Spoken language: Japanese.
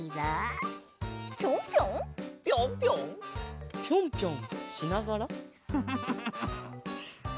ぴょんぴょんぴょんぴょんぴょんぴょんぴょん！